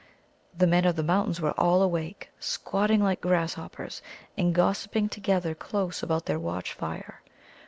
The men of the Mountains were all awake, squatting like grasshoppers, and gossiping together close about their watch fire.